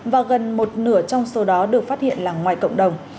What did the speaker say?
và gần một nửa trong số đó được phát hiện là ngoài cộng đồng